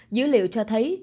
dữ liệu cho thấy